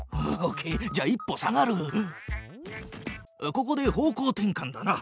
ここで方向転かんだな。